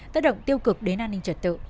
tất động tiêu cực đến an ninh trật tự